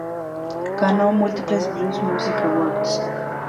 Ganó multiples Blues Music Awards.